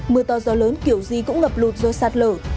mưa to gió lớn kiểu gì cũng ngập lụt do sạt lở